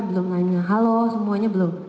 belum nanya halo semuanya belum